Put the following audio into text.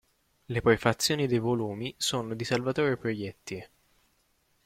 Le prefazioni dei volumi sono di Salvatore Proietti.